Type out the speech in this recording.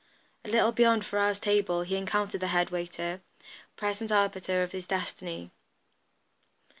A little beyond Ferrars' table he encountered the head waiter, present arbiter of his destiny.